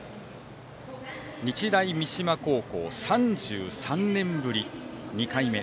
日大三島高校、３３年ぶり２回目。